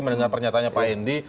mendengar pernyatanya pak hendi